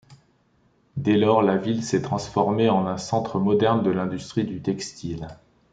Dès lors, la ville c'est transformée en un centre moderne de l'industrie du textile.